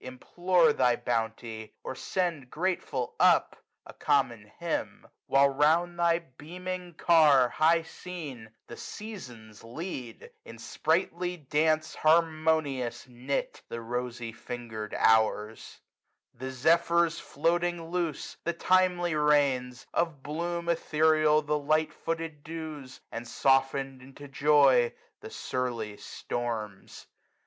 Implore thy bounty, or send grateful up A common hymn : while, round thy beaming car, 1 20 High seen, the Seasons lead, in sprightly dance Harmonious knit, the rosy finger*d Hours; The Zephyrs floating loose j the timely Rains ; Of bloom ethereal the light footed Dews j And soften'd into joy the surly Storms.